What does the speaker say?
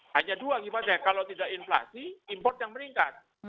hanya dua gimana kalau tidak inflasi import yang meningkat